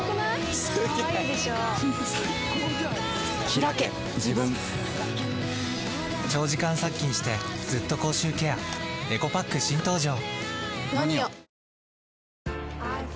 ひらけ自分長時間殺菌してずっと口臭ケアエコパック新登場！